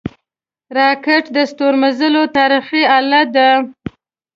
راکټ د ستورمزلو تاریخي اله ده